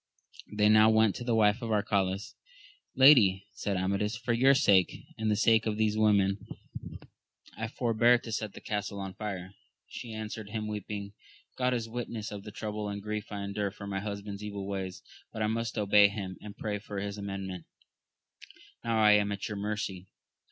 They now went to the wife of Arcalaus. Lady, said Amadis, for your sake, and the sake of these women, I forbear to set the castle on fire. She an swered him weeping, God is witness of the trouble and grief I endure for my husband's evil ways ; but I . must obey him, and pray for his amendment : now I am at your mercy.